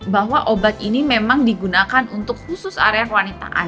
bahwa obat ini memang digunakan untuk khusus area wanita